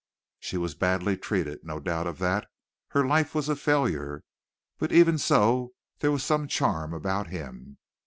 She was badly treated, no doubt of that. Her life was a failure, but even so there was some charm about him.